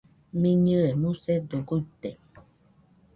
Miñɨe musedo guite